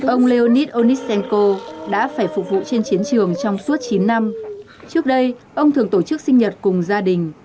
ông leonis onishenko đã phải phục vụ trên chiến trường trong suốt chín năm trước đây ông thường tổ chức sinh nhật cùng gia đình